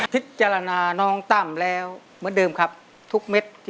พิจารณาน้องตั้มแล้วเหมือนเดิมครับทุกเม็ด